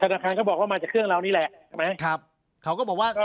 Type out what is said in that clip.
ธนาคารก็บอกว่ามาจากเครื่องเรานี่แหละใช่ไหมครับเขาก็บอกว่าก็